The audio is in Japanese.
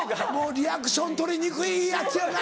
リアクション取りにくいやつやな。